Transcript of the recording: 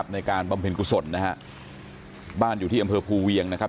บำเพ็ญกุศลนะฮะบ้านอยู่ที่อำเภอภูเวียงนะครับ